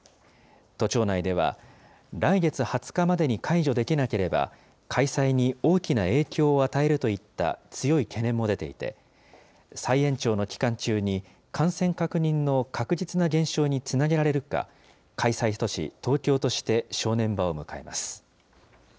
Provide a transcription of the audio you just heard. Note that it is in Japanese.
都庁内では、来月２０日までに解除できなければ、開催に大きな影響を与えるといった強い懸念も出ていて、再延長の期間中に感染確認の確実な減少につなげられるか、開催都市、東京として正念場を迎えます。